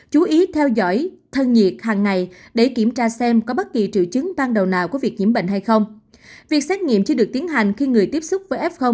chú ý theo dõi thân nhiệt hàng ngày để kiểm tra xem có bất kỳ triệu dịch